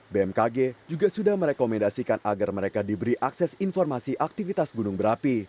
bmkg juga sudah merekomendasikan agar mereka diberi akses informasi aktivitas gunung berapi